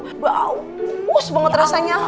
aku aus banget rasanya